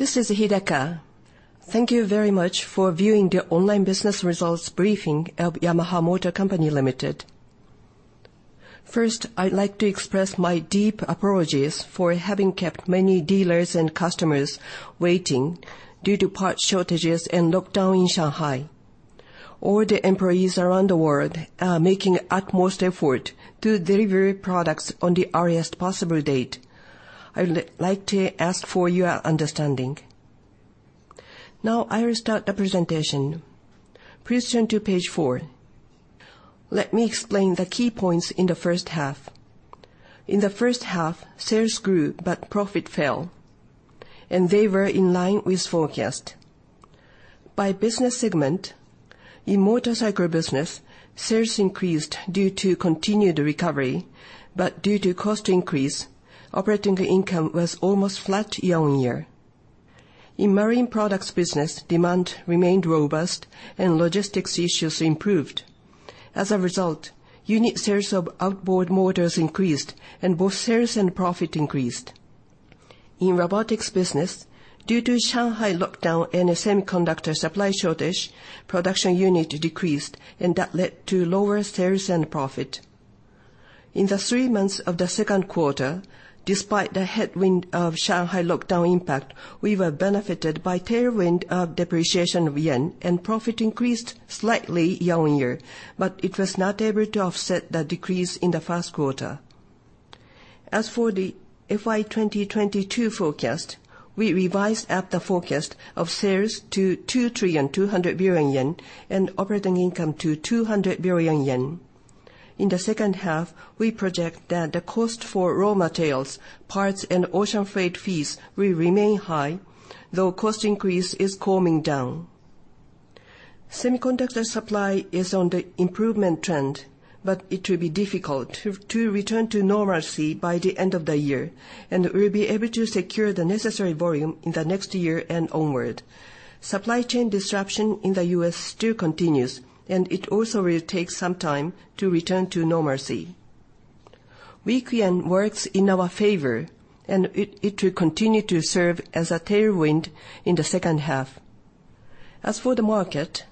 This is Hidaka. Thank you very much for viewing the online business results briefing of Yamaha Motor Co., Ltd. First, I'd like to express my deep apologies for having kept many dealers and customers waiting due to part shortages and lockdown in Shanghai. All the employees around the world are making utmost effort to deliver products on the earliest possible date. I would like to ask for your understanding. Now I will start the presentation. Please turn to page four. Let me explain the key points in the first half. In the first half, sales grew but profit fell, and they were in line with forecast. By business segment, in Motorcycle business, sales increased due to continued recovery, but due to cost increase, operating income was almost flat year-on-year. In Marine Products business, demand remained robust and logistics issues improved. As a result, unit sales of Outboard Motors increased and both sales and profit increased. In Robotics business, due to Shanghai lockdown and a semiconductor supply shortage, production unit decreased and that led to lower sales and profit. In the three months of the second quarter, despite the headwind of Shanghai lockdown impact, we were benefited by tailwind of depreciation of yen, and profit increased slightly year-on-year, but it was not able to offset the decrease in the first quarter. As for the FY2022 forecast, we revised up the forecast of sales to 2.2 trillion, and operating income to 200 billion yen. In the second half, we project that the cost for raw materials, parts, and ocean freight fees will remain high, though cost increase is calming down. Semiconductor supply is on the improvement trend, but it will be difficult to return to normalcy by the end of the year, and we'll be able to secure the necessary volume in the next year and onward. Supply chain disruption in the U.S. still continues, and it also will take some time to return to normalcy. Weak yen works in our favor and it will continue to serve as a tailwind in the second half. As for the market,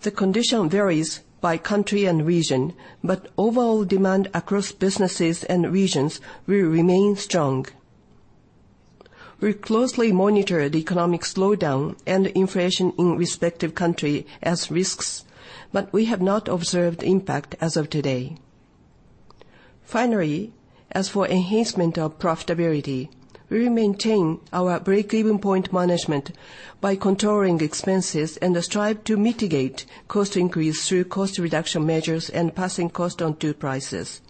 the condition varies by country and region, but overall demand across businesses and regions will remain strong. We closely monitor the economic slowdown and inflation in respective country as risks, but we have not observed impact as of today. Finally, as for enhancement of profitability, we will maintain our break-even point management by controlling expenses and strive to mitigate cost increase through cost reduction measures and passing cost onto prices.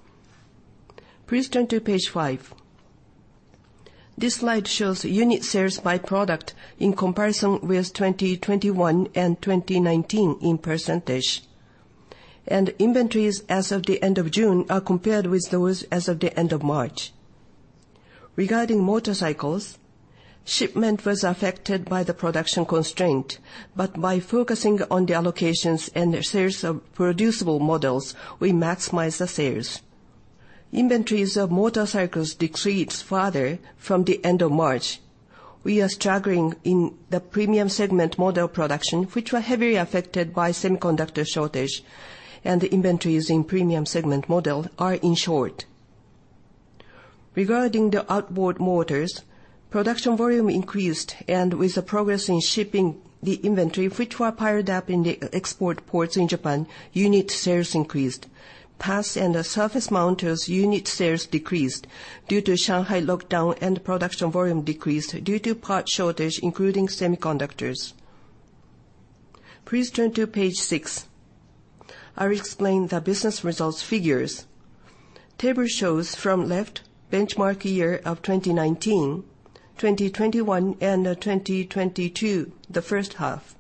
Please turn to page 5. This slide shows unit sales by product in comparison with 2021 and 2019 in percentage. Inventories as of the end of June are compared with those as of the end of March. Regarding motorcycles, shipment was affected by the production constraint, but by focusing on the allocations and the sales of producible models, we maximize the sales. Inventories of motorcycles decreased further from the end of March. We are struggling in the premium segment model production, which were heavily affected by semiconductor shortage, and the inventories in premium segment model are short. Regarding the Outboard Motors, production volume increased, and with the progress in shipping the inventory, which were piled up in the export ports in Japan, unit sales increased. PAS and Surface mounters unit sales decreased due to Shanghai lockdown and production volume decreased due to part shortage, including semiconductors. Please turn to page six. I'll explain the business results figures. The table shows from left benchmark year of 2019, 2021, and 2022, the first half.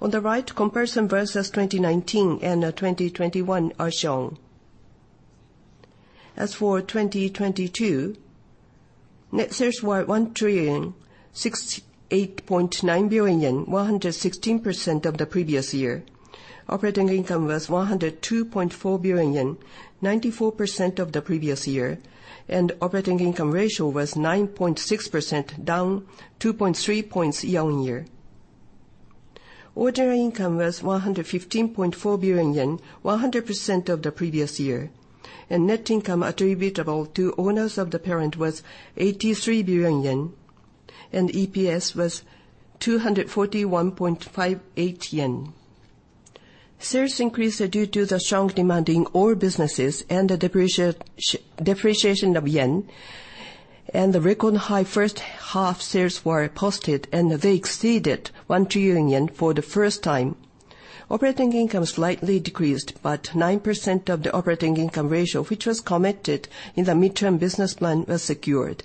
On the right, comparison versus 2019 and 2021 are shown. As for 2022, net sales were 1,608.9 billion yen, 116% of the previous year. Operating income was 102.4 billion yen, 94% of the previous year, and operating income ratio was 9.6%, down 2.3 points year-on-year. Order income was 115.4 billion yen, 100% of the previous year, and net income attributable to owners of the parent was 83 billion yen, and EPS was 241.58 yen. Sales increased due to the strong demand in all businesses and the depreciation of yen, and the record high first half sales were posted, and they exceeded 1 trillion yen for the first time. Operating income slightly decreased, but 9% of the operating income ratio, which was committed in the midterm business plan, was secured.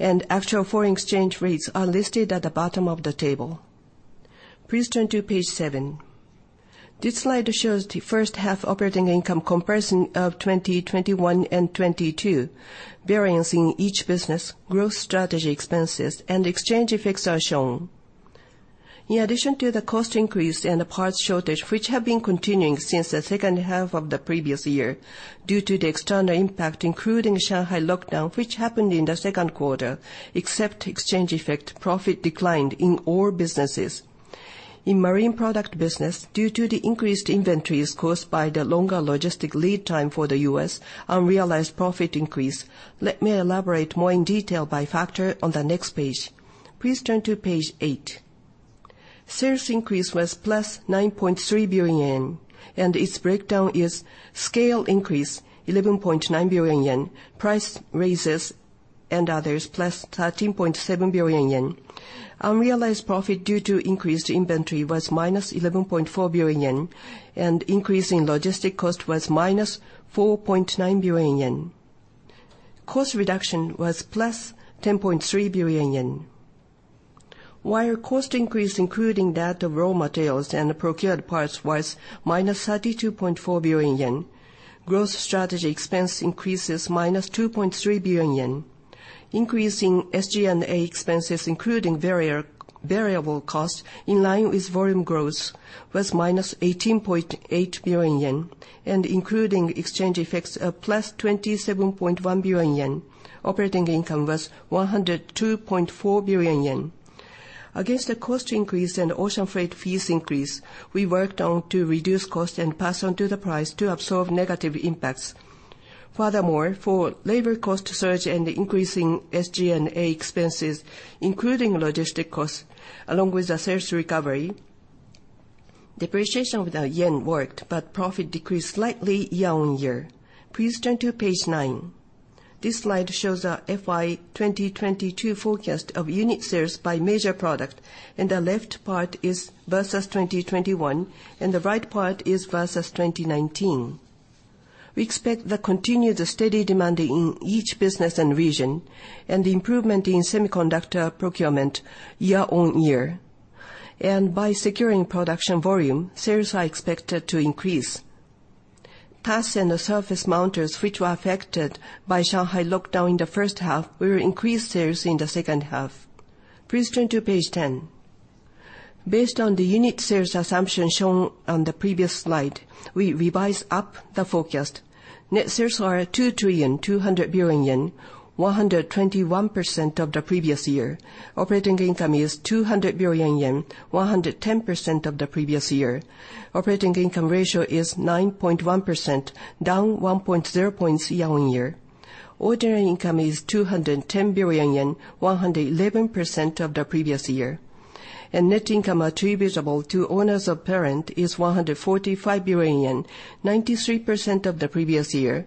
Actual foreign exchange rates are listed at the bottom of the table. Please turn to page 7. This slide shows the first half operating income comparison of 2021 and 2022. Variance in each business, growth strategy expenses, and exchange effects are shown. In addition to the cost increase and the parts shortage, which have been continuing since the second half of the previous year, due to the external impact, including Shanghai lockdown, which happened in the second quarter, except exchange effect, profit declined in all businesses. In Marine Products business, due to the increased inventories caused by the longer logistic lead time for the US, unrealized profit increased. Let me elaborate more in detail by factor on the next page. Please turn to page 8. Sales increase was +9.3 billion yen, and its breakdown is scale increase 11.9 billion yen, price raises and others +13.7 billion yen. Unrealized profit due to increased inventory was -11.4 billion yen, and increase in logistic cost was -4.9 billion yen. Cost reduction was +10.3 billion yen. While cost increase, including that of raw materials and procured parts, was -32.4 billion yen, growth strategy expense increase is -2.3 billion yen. Increase in SG&A expenses, including variable costs, in line with volume growth, was -18.8 billion yen, and including exchange effects of +27.1 billion yen. Operating income was 102.4 billion yen. Against the cost increase and ocean freight fees increase, we worked on to reduce cost and pass on to the price to absorb negative impacts. Furthermore, for labor cost surge and increase in SG&A expenses, including logistic costs, along with the sales recovery, depreciation of the yen worked, but profit decreased slightly year-on-year. Please turn to page 9. This slide shows our FY2022 forecast of unit sales by major product, and the left part is versus 2021, and the right part is versus 2019. We expect the continued steady demand in each business and region, and improvement in semiconductor procurement year-on-year. By securing production volume, sales are expected to increase. PAS and the Surface mounters, which were affected by Shanghai lockdown in the first half, will increase sales in the second half. Please turn to page 10. Based on the unit sales assumption shown on the previous slide, we revised up the forecast. Net sales are 2.2 trillion, 121% of the previous year. Operating income is 200 billion yen, 110% of the previous year. Operating income ratio is 9.1%, down 1.0 points year-on-year. Ordinary income is 210 billion yen, 111% of the previous year. Net income attributable to owners of parent is 145 billion, 93% of the previous year.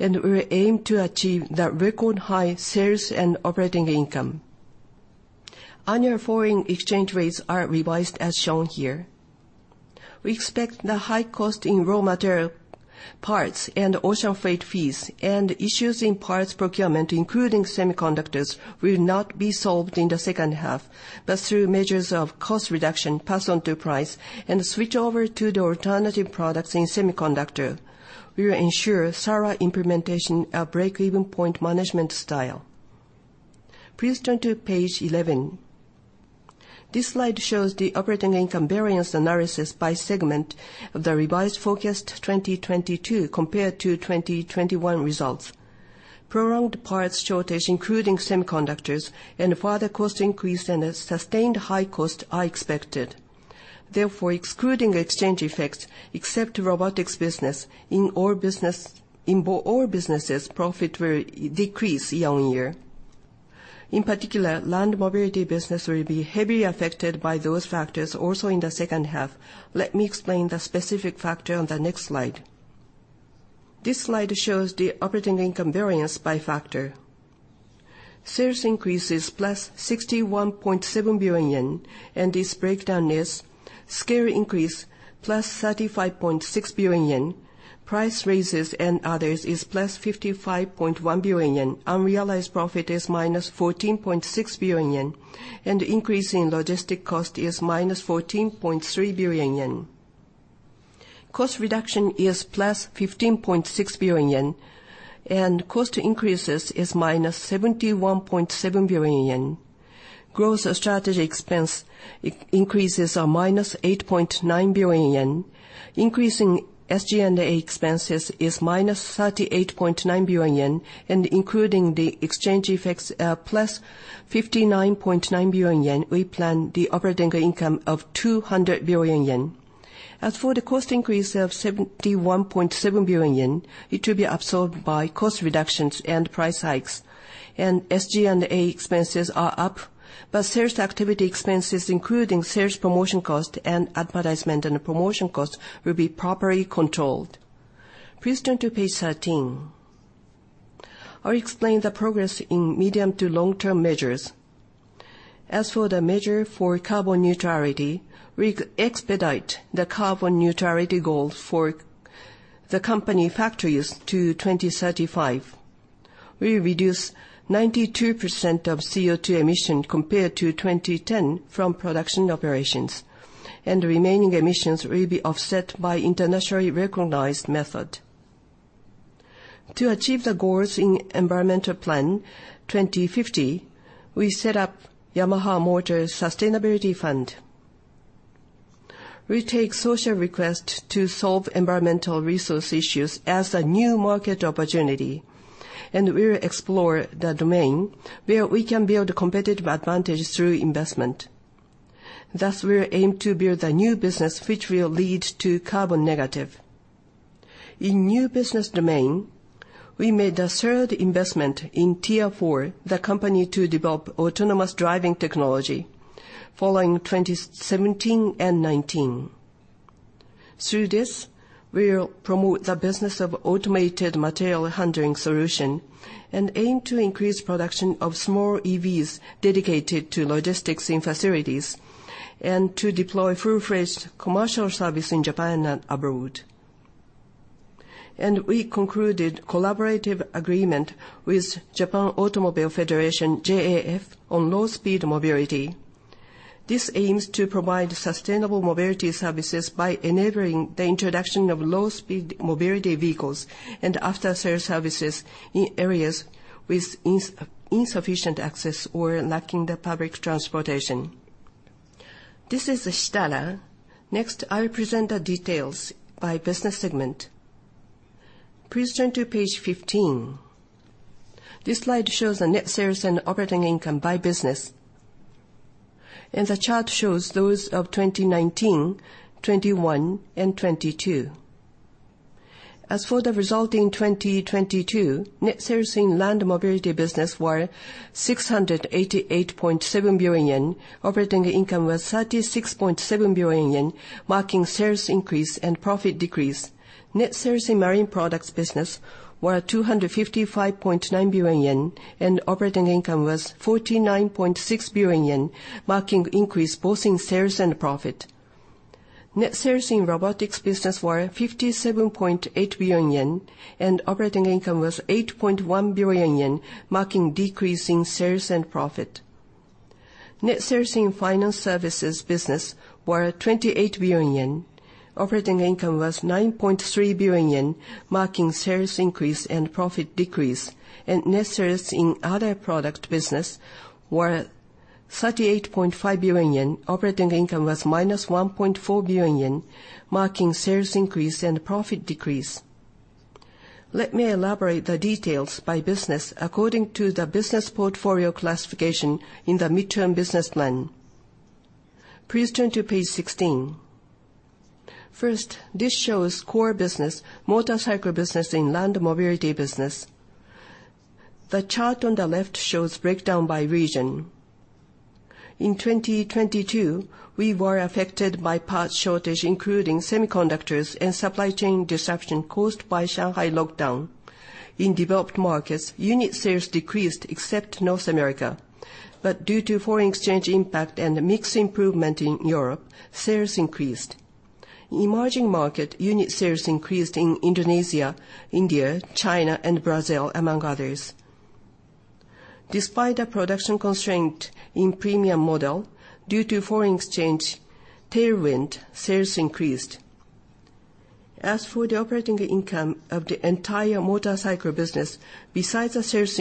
We will aim to achieve the record high sales and operating income. Annual foreign exchange rates are revised as shown here. We expect the high cost in raw material parts and ocean freight fees and issues in parts procurement, including semiconductors, will not be solved in the second half. Through measures of cost reduction passed on to price and switch over to the alternative products in semiconductor, we will ensure thorough implementation of break-even point management style. Please turn to page 11. This slide shows the operating income variance analysis by segment of the revised forecast 2022 compared to 2021 results. Prolonged parts shortage, including semiconductors, and further cost increase and a sustained high cost are expected. Therefore, excluding exchange effects, except robotics business, in all businesses, profit will decrease year-on-year. In particular, Land Mobility business will be heavily affected by those factors also in the second half. Let me explain the specific factor on the next slide. This slide shows the operating income variance by factor. Sales increase is +61.7 billion yen, and its breakdown is scale increase +35.6 billion yen, price raises and others +55.1 billion yen, unrealized profit -14.6 billion yen, and increase in logistics cost -14.3 billion yen. Cost reduction is +15.6 billion yen, and cost increases is -71.7 billion yen. Growth strategy expense increases are -8.9 billion yen. Increase in SG&A expenses is -38.9 billion yen. Including the exchange effects, +59.9 billion yen, we plan the operating income of 200 billion yen. As for the cost increase of 71.7 billion yen, it will be absorbed by cost reductions and price hikes. SG&A expenses are up, but sales activity expenses, including sales promotion cost and advertisement and promotion cost, will be properly controlled. Please turn to page 13. I'll explain the progress in medium to long-term measures. As for the measure for carbon neutrality, we expedite the carbon neutrality goals for the company factories to 2035. We reduce 92% of CO2 emission compared to 2010 from production operations, and the remaining emissions will be offset by internationally recognized method. To achieve the goals in Environmental Plan 2050, we set up Yamaha Motor Sustainability Fund. We take social request to solve environmental resource issues as a new market opportunity, and we will explore the domain where we can build competitive advantage through investment. Thus, we aim to build a new business which will lead to carbon negative. In new business domain, we made the third investment in TIER IV, the company to develop autonomous driving technology following 2017 and 2019. Through this, we'll promote the business of automated material handling solution and aim to increase production of small EVs dedicated to logistics and facilities, and to deploy full-fledged commercial service in Japan and abroad. We concluded collaborative agreement with Japan Automobile Federation, JAF, on low-speed mobility. This aims to provide sustainable mobility services by enabling the introduction of low-speed mobility vehicles and after-sales services in areas with insufficient access or lacking the public transportation. This is Shitara. Next, I'll present the details by business segment. Please turn to page 15. This slide shows the net sales and operating income by business. The chart shows those of 2019, 2021, and 2022. As for the result in 2022, net sales in Land Mobility business were 688.7 billion yen. Operating income was 36.7 billion yen, marking sales increase and profit decrease. Net sales in Marine Products business were 255.9 billion yen, and operating income was 49.6 billion yen, marking increase both in sales and profit. Net sales in robotics business were 57.8 billion yen, and operating income was 8.1 billion yen, marking decrease in sales and profit. Net sales in Financial Services business were 28 billion yen. Operating income was 9.3 billion yen, marking sales increase and profit decrease. Net sales in Other Product business were 38.5 billion yen, operating income was -1.4 billion yen, marking sales increase and profit decrease. Let me elaborate the details by business according to the business portfolio classification in the Medium-Term Management Plan. Please turn to page 16. First, this shows Core business, Motorcycle business and Land Mobility business. The chart on the left shows breakdown by region. In 2022, we were affected by parts shortage, including semiconductors and supply chain disruption caused by Shanghai lockdown. In developed markets, unit sales decreased except North America. Due to foreign exchange impact and a mixed improvement in Europe, sales increased. In emerging markets, unit sales increased in Indonesia, India, China, and Brazil, among others. Despite the production constraint in premium models due to foreign exchange tailwind, sales increased. As for the operating income of the entire Motorcycle business, besides the sales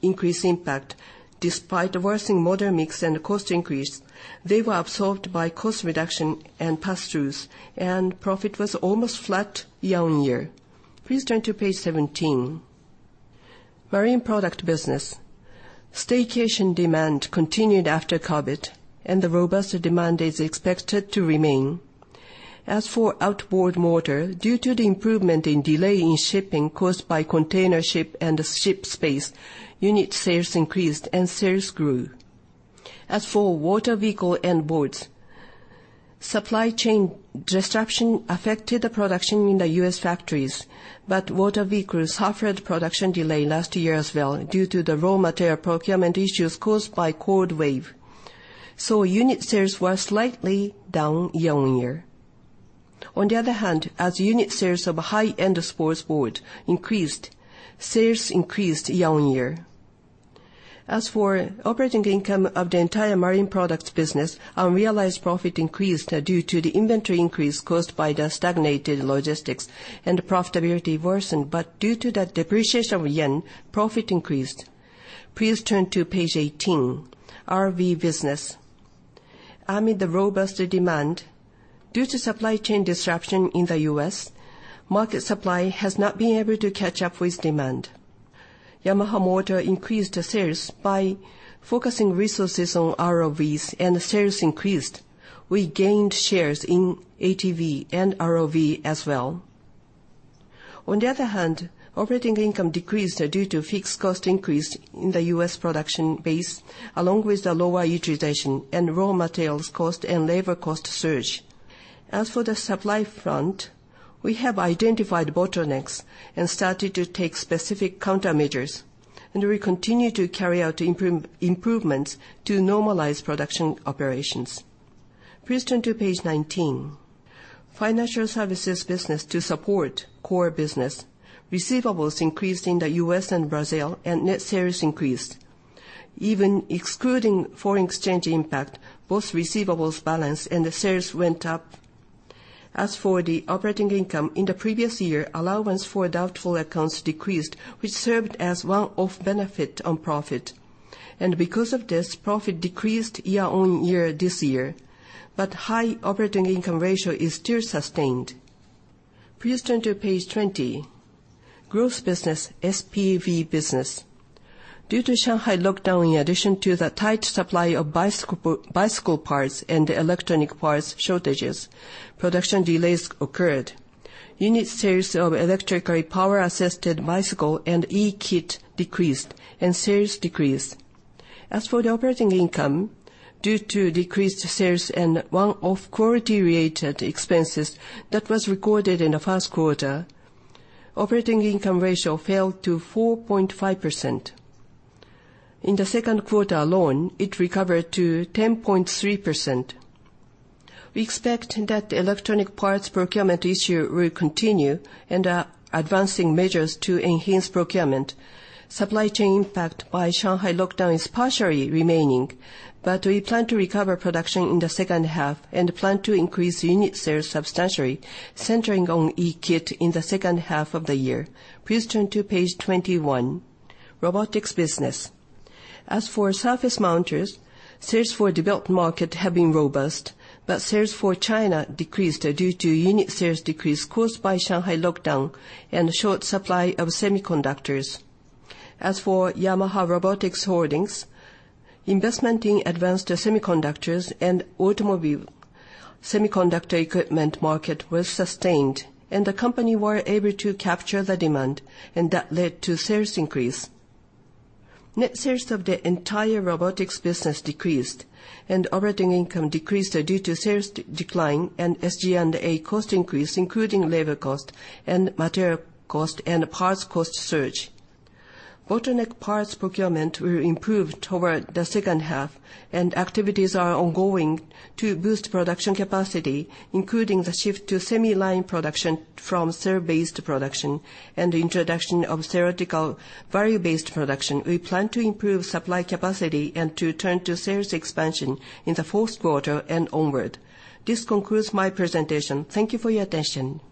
increase impact, despite the worsening model mix and cost increase, they were absorbed by cost reduction and pass-throughs, and profit was almost flat year-on-year. Please turn to page 17. Marine Products business. Staycation demand continued after COVID, and the robust demand is expected to remain. As for Outboard Motors, due to the improvement in delay in shipping caused by container shortage and shipping space, unit sales increased and sales grew. As for Water Vehicles and Boats, supply chain disruption affected the production in the U.S. factories, but water vehicles suffered production delay last year as well due to the raw material procurement issues caused by cold wave. Unit sales were slightly down year-on-year. On the other hand, as unit sales of high-end sport boats increased, sales increased year-on-year. As for operating income of the entire Marine Products business, unrealized profit increased due to the inventory increase caused by the stagnated logistics and profitability worsened. Due to the depreciation of the yen, profit increased. Please turn to page 18. ROV business. Amid the robust demand, due to supply chain disruption in the U.S., market supply has not been able to catch up with demand. Yamaha Motor increased the sales by focusing resources on ROVs and the sales increased. We gained shares in ATV and ROV as well. On the other hand, operating income decreased due to fixed cost increase in the US production base, along with the lower utilization and raw materials cost and labor cost surge. As for the supply front, we have identified bottlenecks and started to take specific countermeasures, and we continue to carry out improvements to normalize production operations. Please turn to page 19. Financial Services business to support Core business. Receivables increased in the US and Brazil, and net sales increased. Even excluding foreign exchange impact, both receivables balance and the sales went up. As for the operating income, in the previous year, allowance for doubtful accounts decreased, which served as one-off benefit on profit. Because of this, profit decreased year-on-year this year. High operating income ratio is still sustained. Please turn to page 20. Growth business, SPV business. Due to Shanghai lockdown, in addition to the tight supply of bicycle parts and electronic parts shortages, production delays occurred. Unit sales of electrically power-assisted bicycle and e-Kit decreased, and sales decreased. As for the operating income, due to decreased sales and one-off quality related expenses that was recorded in the first quarter, operating income ratio fell to 4.5%. In the second quarter alone, it recovered to 10.3%. We expect that electronic parts procurement issue will continue, and are advancing measures to enhance procurement. Supply chain impact by Shanghai lockdown is partially remaining, but we plan to recover production in the second half and plan to increase unit sales substantially, centering on e-Kit in the second half of the year. Please turn to page 21. Robotics business. As for Surface mounters, sales for developed market have been robust, but sales for China decreased due to unit sales decrease caused by Shanghai lockdown and short supply of semiconductors. As for Yamaha Robotics Holdings, investment in advanced semiconductors and automobile semiconductor equipment market was sustained, and the company were able to capture the demand, and that led to sales increase. Net sales of the entire robotics business decreased, and operating income decreased due to sales decline and SG&A cost increase, including labor cost and material cost and parts cost surge. Bottleneck parts procurement will improve toward the second half, and activities are ongoing to boost production capacity, including the shift to semi-line production from cell-based production and the introduction of theoretical value-based production. We plan to improve supply capacity and to turn to sales expansion in the fourth quarter and onward. This concludes my presentation. Thank you for your attention.